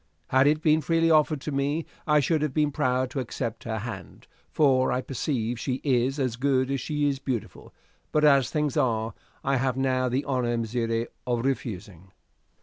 Had it been freely offered to me, I should have been proud to accept her hand, for I perceive she is as good as she is beautiful; but as things are, I have now the honor, messire, of refusing."